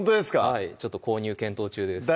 はいちょっと購入検討中です